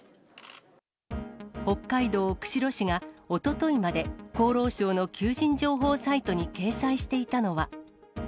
北海道釧路市がおとといまで、厚労省の求人情報サイトに掲載していたのは。